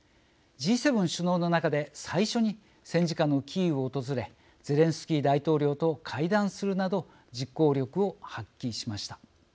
Ｇ７首脳の中で最初に戦時下のキーウを訪れゼレンスキー大統領と会談するなど実行力を発揮しました。